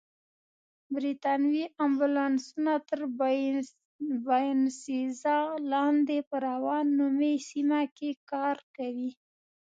بریتانوي امبولانسونه تر باینسېزا لاندې په راون نومي سیمه کې کار کوي.